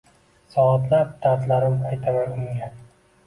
Soatlab dardlarim aytaman unga